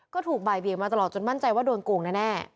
ก็ถูกบ่ายเบียงมาตลอดจนมั่นใจว่าโดนโกงแน่